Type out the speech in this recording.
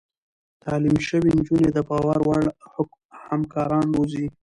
تعليم شوې نجونې د باور وړ همکاران روزي.